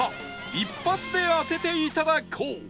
一発で当てていただこう